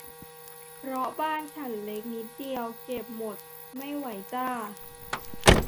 เพราะบ้านฉันเล็กนิดเดียว เก็บหมดไม่ไหวจ้า